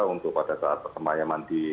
untuk pada saat persemayaman di